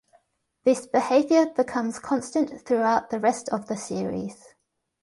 This behavior becomes constant throughout the rest of the series.